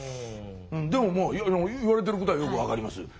でも言われてることはよく分かります。